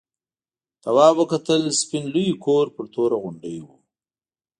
تواب وکتل سپین لوی کور پر توره غونډۍ و.